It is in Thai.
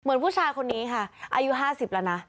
เหมือนผู้ชายคนนี้ค่ะอายุห้าสิบแล้วนะ